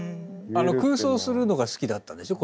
空想するのが好きだったんでしょ。